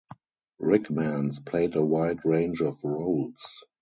Rickman's played a wide range of roles.